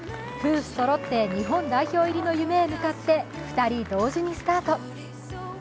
夫婦そろって日本代表入りの夢へ向かって２人同時にスタート。